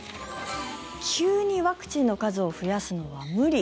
急にワクチンの数を増やすのは無理。